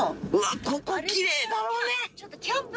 ここきれいだろうね！